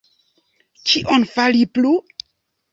Kion fari plu?